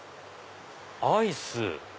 アイス。